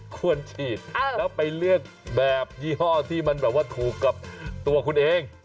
ควรฉีดแล้วไปเลือกแบบยี่ห้อที่มันแบบว่าถูกกับตัวคุณเอง